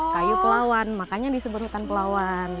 kayu pelawan makanya disebut ikan pelawan